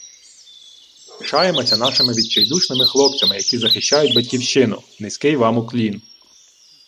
Пишаємося нашими відчайдушними хлопцями, які захищають Батьківщину. Низький вам уклін!